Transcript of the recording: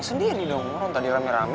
sendiri dong tadi rame rame